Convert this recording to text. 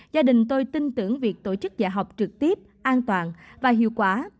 gia đình tôi tin tưởng việc tổ chức dạy học trực tiếp an toàn và hiệu quả